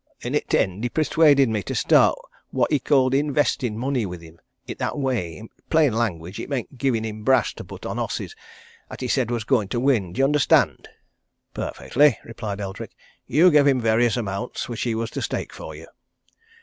An' i' t' end, he persuaded me to start what he called investin' money with him i' that way i' plain language, it meant givin' him brass to put on horses 'at he said was goin' to win, d'ye understand?" "Perfectly," replied Eldrick. "You gave him various amounts which he was to stake for you."